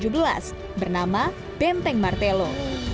bernama benteng martelo